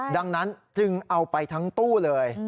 ดังนั้นจึงเอาไปทั้งตู้เลย